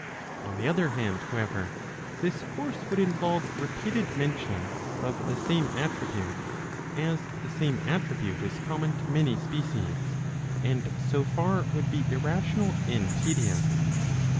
On the other hand, however, this course would involve repeated mention of the same attribute, as the same attribute is common to many species, and so far would be irrational and tedious.